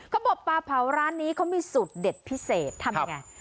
ปลาบปลาเผาร้านนี้เขามีสูตรเด็ดพิเศษทำยังไง